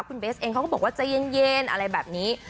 คุณเบสเองเขาก็บอกว่าใจเย็นอะไรแบบนี้